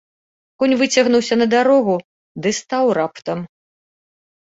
Конь выцягнуўся на дарогу ды стаў раптам.